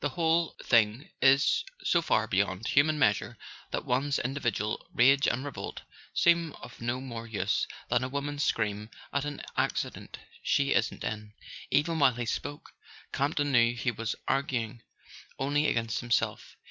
The whole thing is so far beyond human measure that one's in¬ dividual rage and revolt seem of no more use than a woman's scream at an accident she isn't in." Even while he spoke, Campton knew he was argu¬ ing only against himself.